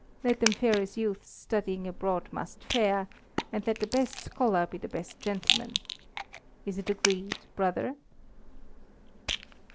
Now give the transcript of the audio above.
Let them fare as youths studying abroad must fare, and let the best scholar be the best gentleman. Is it agreed, brother?"